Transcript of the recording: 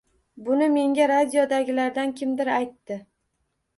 Buni menga radiodagilardan kimdir aytdi